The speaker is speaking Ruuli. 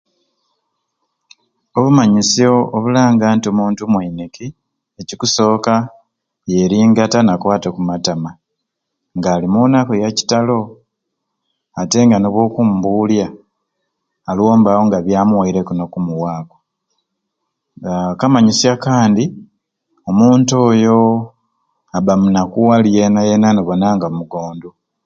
Obumanyisyo obulanga nti omuntu mwiniki ekikusooka yeringata nakwata oku matama nga ali mu nnaku yakitalo ate nga n'ebwokumubuulya aliwo mbe awo nga byamuweireku n'okumuwaaku. Aa akamanyisyo akandi omuntu oyo abba munakuwali yeena yeena n'obona nga mugondu.